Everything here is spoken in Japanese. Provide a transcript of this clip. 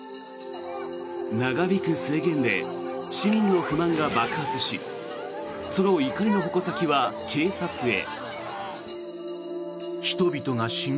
長引く制限で市民の不満が爆発しその怒りの矛先は警察へ。